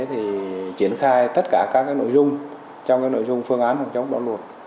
thì triển khai tất cả các nội dung trong nội dung phương án phòng chống bão lụt